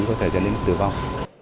có thể dân đến tử vong